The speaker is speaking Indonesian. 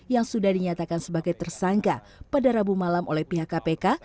yang sudah dinyatakan sebagai tersangka pada rabu malam oleh pihak kpk